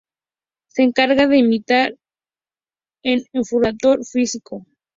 Se encarga de imitar un enrutador físico.